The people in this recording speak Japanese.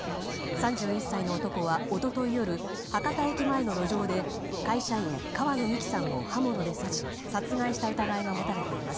３１歳の男は、一昨日夜博多駅前の路上で会社員、川野美樹さんを刃物で刺し、殺害した疑いが持たれています。